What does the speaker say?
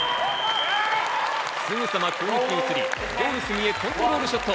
すぐさま攻撃に移り、コントロールショット！